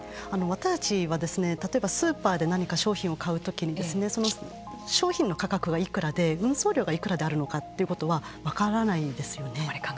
私たちは例えばスーパーで何か商品を買う時にその商品の価格がいくらで運送量がいくらであるのかということは分からないですよね。